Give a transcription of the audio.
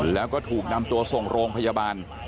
แล้วก็ถูกนำตัวส่งโรงพยาบาล